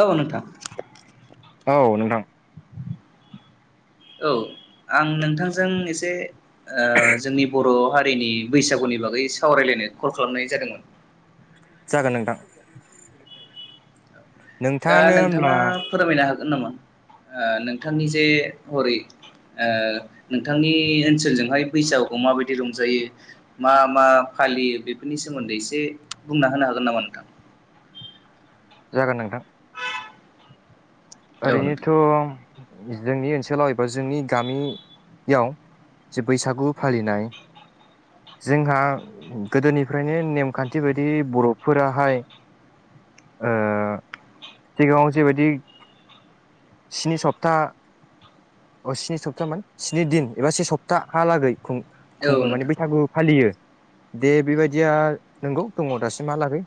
औ नोंथां। औ नोंथां। औ आं नोंथांजों एसे ओ जोंनि बर' हारिनि बैसागुनि बागै सावरायलायनो कल खालामनाय जादोंमोन। [inaudible] जागोन नोंथां। दा नोंथाङानो होमब्ला नोंथाङा फोरमायनो हागोन नामा ओ नोंथांनि जे हरै ओ नोंथांनि ओनसोलजोंहाय बैसागुखौ माबायदि रंजायो मा मा फालियो बेफोरनि सोमोन्दै एसे बुंना होनो हागोन नामा नोंथां? जागोन नोंथां। औ ओरैनोथ' नोंथां जोंनि ओनसोलाव एबा जोंनि गामि याव जे बैसागु फालिनाय जोंहा गोदोनिफ्रायनो नेमखान्थि बायदि बर'फोराहाय ओ सिगाङाव जेबायदि स्नि सप्ता अ स्नि सप्तामोन स्नि दिन एबा से सप्तााहालागै खुं औ खुङो माने नोंथां बैसागु फालियो। दे बेबायदिया नंगौ दङ' दासिमहालागै।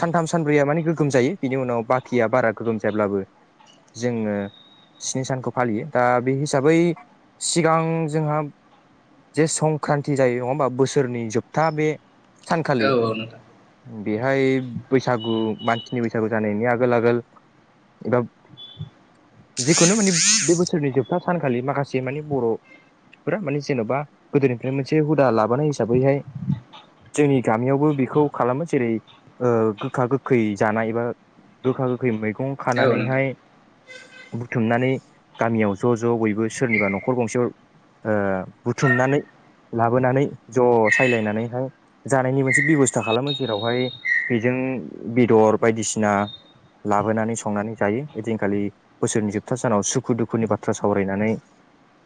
सानथाम सानब्रैया माने गोगोम जायो बिनि उनाव बाखिया बारा गोगोम जाब्लाबो जोङो स्नि सानखौ फालियो दा बे हिसाबै सिगां जोंहा जे संक्रान्ति जायो नङाबा बोसोरनि जोबथा बे औ सानखालि औ नोंथां बेहाय बैसागु मानसिनि बैसागु जानायनि आगोल आगोल एबा जिखुनु माने बे बोसोरनि जोबथा सानखालि माखासे माने बर' फोर माने जेन'बा गोदोनिफ्राय मोनसे हुदा लाबोनाय हिसाबैहाय जोंनि गामियावबो बेखौ खालामो जेरै गोखा गोखै जानाय एबा गोखा गोखै मैगं औ खानानैहाय [inaudible] बुथुमनानै गामियाव ज' ज' बयबो सोरनिबा न'खर गंसेयाव ओ बुथुमनानै लाबोनानै ज' सायलायनानैहाय जानायनि मोनसे बेबस्था खालामो जेरावहाय बेजों नों बेदर बायदिसिना लाबोनानै संनानै जायो। ओदिंखालि बोसोरनि जोबथा सानाव सुखु दुखुनि बाथ्रा सावरायनानै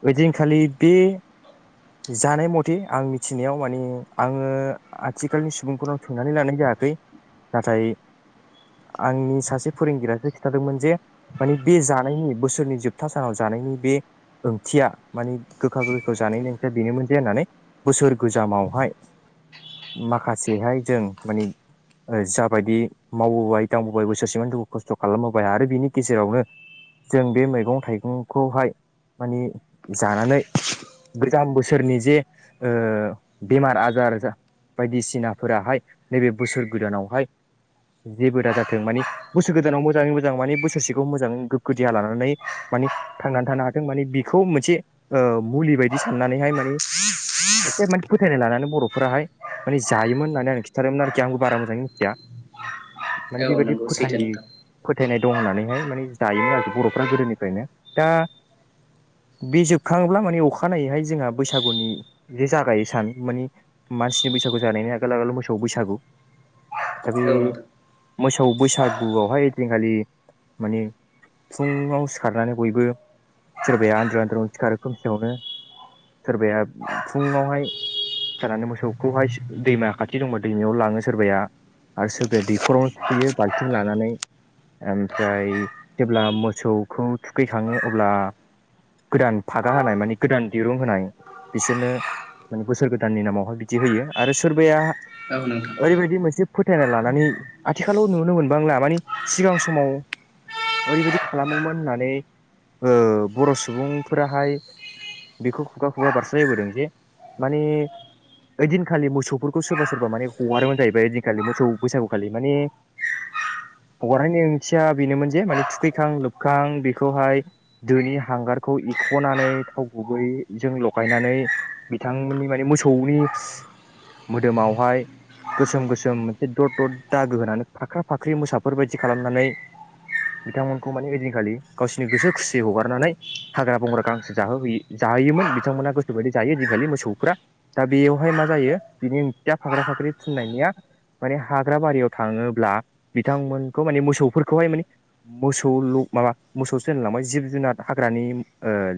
ओइदिनखालि बे जानाय मथे आं मिथिनायाव माने आङो आथिखालनि सुबुंफोरनाव सोंनानै लानाय जाया। नाथाय आंनि सासे फोरोंगिरिसो खिन्थादोंमोन जे मानि बे जानायनि बोसोरनि जोबथा सानाव जानायनि बे ओंथिया माने गोखा गोखैखौ जानायनि ओंथिया बेनोमोन जे होननानै बोसोर गोजामावहाय माखासेहाय जों माने जाबायदि मावबोबाय दांबोबाय बोसोरसेमोन दखौ खस्थ' खालामबोोबबाय आरो बिनि गेजेरावनो जों बे मैगं थाइगंखौहाय माने जानानै गोजाम बोसोरनि जे बेमार आजार जा बायदिसिनाफोराहाय नैबे बोसोर गोदानावहाय जेबो दाजाथों मानि बोसो गोदानाव मोजाङै मोजां माने बस थोरसेखौ मोजाङ गोग्खोया लानानै मान थांनानै थानो हाथों मान बेखौ मोनसे म बेबायदि साननानैहाय माने एसे मान फोथायनाय लानानै बर'फोराहाय माने जायोमोन होननानै आं खिन्थादोंोमोन आरोखि आंबो बारा मोजाङै मिथिया माने औ बेबायदि नंगौ फोथाय सैथो नोंथां फोथायनाय दं होननानै माने जायोमोन आरोखि बर'फ गोदोनिफ्रायनो दा [inaudible] बे जोबखाङोब्ला माने अखानायैहाय जोंहा बैसागुनि जे जागायो सान माने मानसिनि बै बैसागु जानायनि आगोल आगोलाव मोसौआव बैसागु दा बे औ नोंथां मोसौ बैसागुआवहाय ओदिनखालि माने फुङाव सिखारनानै बयबो सोरबाया आन्द्रु आन्द्रुनो सिखारो खोमसेयावनो सोरबाया फुङावहाय जानानै मोसौखौहाय दैमा खाथि दंबा दैमायाव लाङो सोरबाया आरो सोरबाया दैखरावनो थुखैयो बाल्थिं लानानै म ओमफ्राय जेब्ला मोसौखौ थुखैखाङो अब्ला गोदान फागा होनाय माने गोदान दिरुं होनाय बिसोरनो माने बोसोर गोदाननि नामावहाय बिदि होयो आरो सोरबाया औ नोंथां। ओरैबायदि मोनसे फोथायना लानानै आथिखालाव नुनो मोनबांला माने सिगां समाव ओरैबायदि खालामोमोन होननानै ओ बर' सुबुंफोराहाय बेखौ खुगा खुगा बारस्र्लायबोदों जे माने ओइदिनखालि मोसौफोरखौ सोरबा सोरबा माने हगारोमोन जाहैबाय ओइदिनखालि मोसौ बैसागुखालि माने [inaudible] हगरनायनि ओं दा बेनोमोन जे माने थुखैखां लोबखां बेखौहाय दोनि हांगारखौ एख'नानै थाव गुबै जों लगायनानै बिथांमोननि माने मोसौनि मोदोमावहाय गोसोम गोसोम मोनसे दद दद दागो होनानै फाख्रा फाख्रि मोसाफोर बायदि खालामनानै [inaudible] बिथांमोनखौ माने ओइदिनखालि गावसोरनि गोसो खुसियै हगारनानै हाग्रा बंग्रा गांसो जाहोहैयो जाहोयो। बिथांमोना गोसोबायदि जायोखालि मोसौफ्रा दा बेयावहाय मा जायो बिनि ओंथिया फाख्रा फाख्रि फुं मान हाग्रा बारियाव थाङोब्ला बिथांमोनखौ मान मोसौ खौहाय माने मोसौ माबा मोसौसो होनलांबाय जिब जुनार हाग्रानि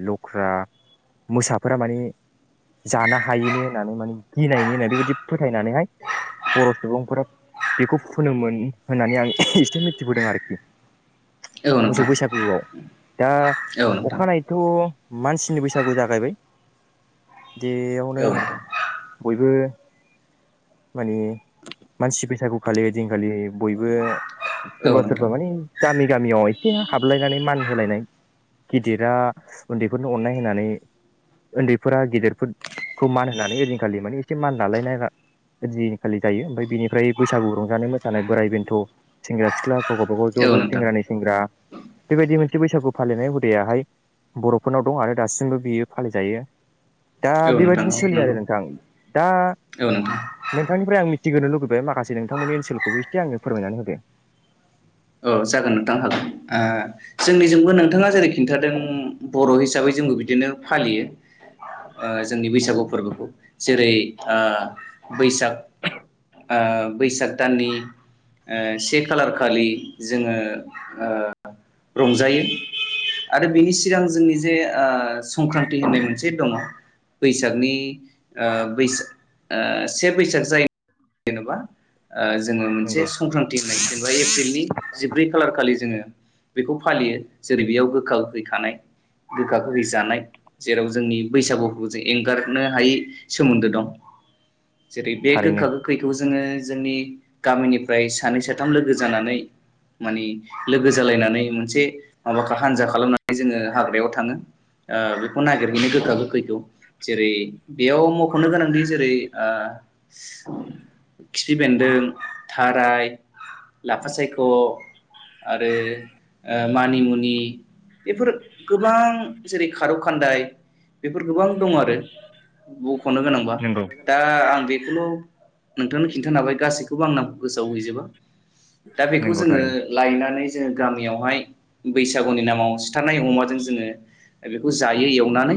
लख्रा [inaudible] मोसाफोरा माने जानो हायैनि होननानै माने गिनायनि होननानै बेबायाददि फोथायनानैहाय बर' सुबुंफोरा बेखौ फोनोमोन होननानै आं एसे मिथिबोदों आरोखि औ मोसौ नोंथां बैसागुआव दा औ नोंथां अखानायैथ' मानसिनि बैसागु जागायबाय बेयावनो औ नोंथां बयबो माने मानसि फैसागु खालि दिनखालि बयबो औ सोरबा नोंथां सोरबा माने गामि गामियाव एसे हाबलायनानै मान होलायनाय गिदिरा उन्दैफोरनो अननाय होनानै उन्दैफोरा गेदेरफोरखौ मान होनानै ओजिखालि माने एसे मान लालायनाय आजिखालि जायो ओमफ्राय बिनिफ्राय बैसागु रंजानाय मोसानाय बोराइ बेन्थ' सेंग्रा सिख्ला गाव गावबागाव ज' औ ज' नोंथां सेंग्रानि सेंग्रा बेबायदि मोनसे बैसागु फालिनाय हुदायाहाय बर'फोरनाव दं आरो दासिमबो बियो फालिजायो दा औ बेबायदि बिदिनो सोलि आरो नोंखां आं दा ए नोंथां नोंथांनिफ्राय आं मिथिग्रोनो लुुबैबाय माखासे नोंथांमोननि ओनसोलखौबो एसे आंनो फोरमायनानै होदों औ जागोन नोंथां हागोन जोंनिजोंबो नोंथाङा जेरै खिन्थादों बर' हिसाबै जोंबो बिदिनो फालियो जोंनि बैसागु फोरबोखौ जेरै बैसाग बैसाग दाननि से खालार खालि जोङो रंजायो आरो बिनि सिगां जोंनि जे संक्रान्ति होननाय मोनसे दङ बैसागनि बै से बैसाग जाय जेनेबा जोङो मोनसे नंगौ संक्रान्ति होननाय जेनेबा एप्रिलनि जिब्रै खालार खालि जोङो बेखौ फालियो जेरै बेयाव गोखा होैखानाय गोखा गोखै जानाय जेराव जोंनि बैसागु जों एंगारनो हायै सोमोन्दो दं [unintelligible] जेरै बे थारैनो गोखा गोखैखौ जोङो जोंनि गामिनिफ्राय सानै साथाम लोगो जानानै मानिे लोगो जालायनानै मोनसे माबाखौ हानजा खालामनानै जोङो हाग्रायाव थाङो बेखौ नागिरहैनो गोखाब गोखैथौ जेरै बेयाव मख'नो गोनांदि जेरै खिफि बेन्दों थाराय लाफा सायख ग आरो मानिमुनि बेफोर गोबां जेरै खारौ खान्दाय बेफोर गोबां दङ आरो बख'नो गोनांबा नंगौ दा आं बे खौल' नोंथांनो खिन्थानो हाबाय गासैखौबो आं नामखौ गोसोआव हैजोबा दा बेखौ नंगौ जोङो थारैनो लायनानै जोङो गामियावहाय बैसागुनि नामाव सिथारनाय अमाजों जोङो बेखौ जायो एवनानै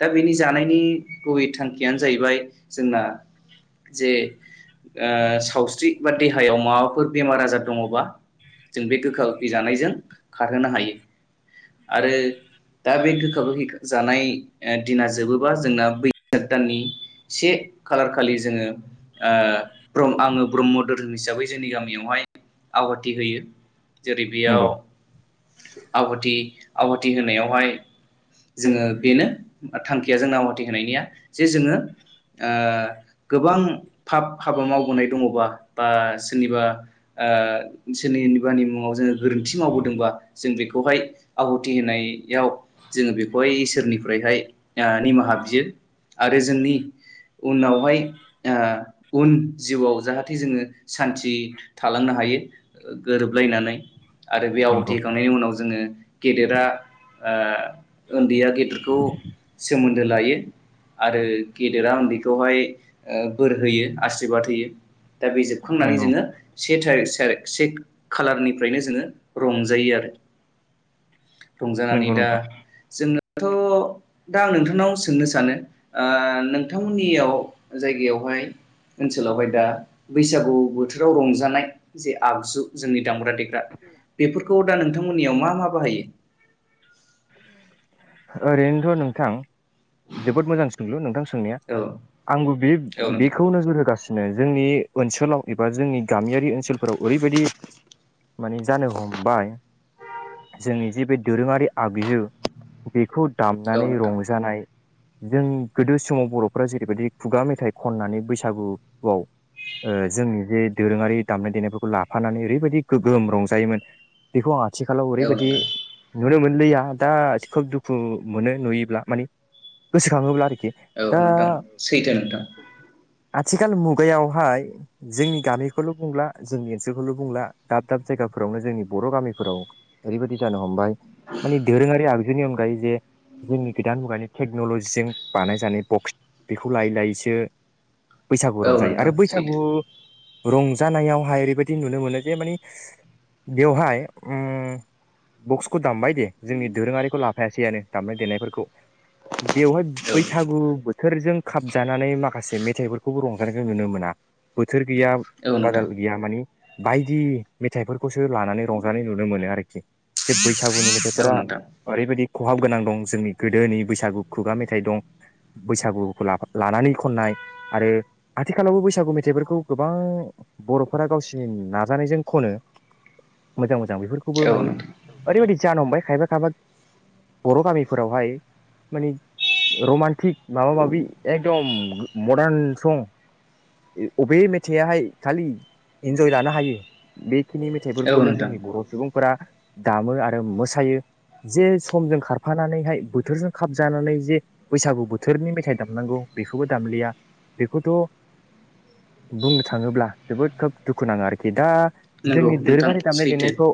दा बेनि जानायनि गुबै थांखियानो जाहैबाय जोंना जे सावस्रि बा देहायाव माबाफोर बेमार आजार दङबा जों बे गोखा गोखि जानायजों खारहोनो हायो आरो रं दा बे गोखा गोखैखो जानाय ए दिना जोबोबा जोंना बैसाग दाननि से खालार खालि जोङो ओ प्रमआङो ब्रह्म धोरोम हिसाबै जोंनि गामियावहाय आवाथि होयो जेरै बेयाव नंगौ आवाथि आवाथि होनायावहाय जोङो बेनो थांखिया जोंना आवाथि होनायनिया जे जोङो ओ गोबां थाब हाबा मावबोनाय दङबा बा सोरनिबा ओ ओनसोरनि निबानि मुङाव जोङो गोरोन्थि मावबोदोंबा जों बेखौहाय आहुथि होनाय याव जोङो बेखौहाय इसोरनिफ्रायहाय आ निमाहा बियो आरो जोंनि! उनावहाय आ उन जिउआव जाहाथे जोङो सान्थि थालांनो हायो गोरोबलायनानै आरो बेआव नंगौ दिखांनायनि उनाव जो जोङो गेदेरा ओ ओन्दैया गेदेरखौ सोमोन्दो लायो आरो गेदेरा उन्दैखौहाय ओ बोर होयो आसिरबाद होयो दा बे जोबखांनानै नंगौ जोङो से तारिक सारिक से खालारनिफ्रायनो जोङो रंजायो आरो रंजानानै नंगौ दा नोंथां जोङो दाथ' दा आं नोंथांनाव सोंनो सानो आ नोंथांमोननियाव जायगायाव बेवहाय ओनसोला हाय दा बैसागु बोथोराव रं जानाय जे आगजु जोंनि दामग्रा देग्रा बेफोरखौ फ्रा नोंथांमोननियाव मा मा बाहायो ओरैनोथ' नोंथां जोबोद मोजां सोंलु नोंथां सोंनाया औ आंबो बे औ नोंथां बेखौ नोजोर होगासि नै जोंनि ओनसोलाव एबा जोंनि गामियारि ओनसोलफोराव ओरैबायदि माने जानो हमबाय जोंनि जि बे दोरोङारि आबियो बेखौ औ दामनानै नोंथां रंजानाय जों गोदो समाव बर'फोरा जेरैबायदि खुगा मेथाइ खननानै बैसागुआव ओ जोंनि बेे दोरोङारि दामनाय देनायफोरखौ लाफानानै ओरैबायदि गोगोम रंजायोमोन बेखौ आं आथिखालाव औ ओरैबायदि नोंथां नुनो मोनलिया दा खोब दुखु मोनो नुयोब्ला मानिे गोसोखाङोब्ला आरो औ नोंथां सैथो नोंथां आथिखाल मुगायावहाय जोंनि गामिखौल' बुंला जोंनि ओनसोलखौल' बुंला दाब दाब जाय जायगाफोरावनो जोंनि बर' गामिफोराव ओरैबायदि जानो हमबाय मानि दोरोंआरि आ बिनि अनगायै जे जोंनि गोदान मुगानि टेक्न'ल'जिजों बानायजानाय बक्स बेखौ लायै लायै सो बैसागु औ रंजायो नोंथां आरो सैथो बैसागु रंजानायावहाय ओरैबायदि नुनो मोनो जे मानि बेवहाय ओम बक्सखौ दामबाय दे जोंनि दोरोङारिखौ लाफायासैआनो दामनाय देनायफोरखौ बेवहाय औ बैसागु बोथोरजों खाबजानानै माखासे मेथाइफोरखौबो रंखानायखौ नुनो मोना बोथोर गैया नोंथां औ नोंथां बादाल गैया मानि बायदि मेथाइफोरखो खौसो लानानै रंजानाय नुनो मोनो आरोखि जे बैसागुनि मेथाइफोरा बेबायदि खहाब गोनां दं जोंनि गोदोनि बैसागु खुगा मेथाइ दं बैसागुखौला लानानै खननाय आरो आथिखालावबो बैसागु मेथाइफोरखौ गोबां बर'फोरा गावसिनि नाजानायजों खनो मोजां मोन जा बेफोरखौबो औ मानि नोंथां ओरैबायदि जानो हमबाय खायफा खायफा बर' गामिफोरावहाय मानि रमान्टिक माबा माबि एकदम मदान सं अबे मेथाइयाहाय खालि इन्जय लानो हायो बे खिनि औ मेथाइफोरखौल' नोंथां जोंनि बर' सुबुंफोरा दामो आरो मोसायो जे समजों खारफानानैहाय बोथोरजों खाबजानानै जे बैसागु बोथोरनि मेथाइ दामनांगौ बेखौबो दामलिया बेखौथ' बुंनो थाङोब्ला जोबोद खोब दुखु नाङो आरोखि दा नंगौ जोंनि नोंथां दोरोङारि दामनाय सैथो देनायखौ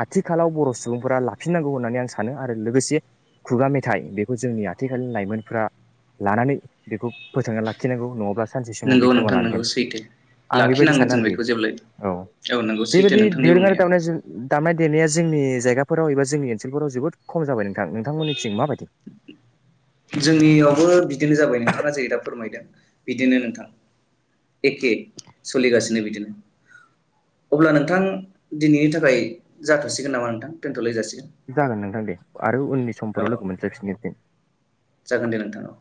आथिखालाव बर' सुबुंफोरा लाख फिनांगौ होननानै आं सानो आरो लोगोसे खुगा मेथाइ बेखौ जोंनि आथिखालनि लाइमोनफोरा लानानै बेखौ फोथांना लाखिनांगौ नङाब्ला सानसे समाव बे नंगौ नोंथां गोमालांगोन नंगौ सैथो आं बेबायदि लाखिनांगोन सानो जों आरोखि बेखौ जेब्लायबो औ नंगौ सैथो बेबायदि नोंथांनि दोरोङारि बुंनाया दामनाय दामनाय देनाया जोंनि जायग जायगाफोराव एबा जोंनिओनोलफोराव जोबोद खम जाबाय नोंथां नोंथांमोननिथिं माबायदि जोंनियावबो बिदिनो जाबाय नोंथाङा जेरै दा फोरमायदों बिदिनो नोंथां एखे सोलिगासिनो बिदिनो अब्ला नोंथां दिनैनि थाखाय जाथ'सिगोन नामा नोंथां दोन्थ' लायजासिगोन जागोन नोंथां दे आरो उननि औ समफोराव औ लोगो मोनज्लायफिनगोन दे जागोन दे नोंथां औ